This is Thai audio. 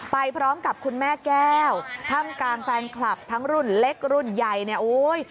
ไปพร้อมกับคุณแม่แก้วท่ำการแฟนคลับทั้งรุ่นเล็กรุ่นใหญ่